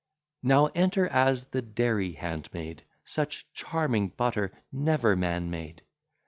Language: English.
Now enter as the dairy handmaid: Such charming butter never man made.